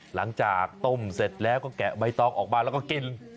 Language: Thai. หลังจากต้มเสร็จแล้วก็แกะใบตองออกมาแล้วก็กิน